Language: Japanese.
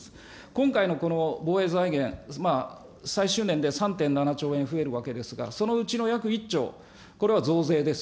今回のこの防衛財源、最終年で３．７兆円増えるわけですが、そのうちの約１兆、これは増税です。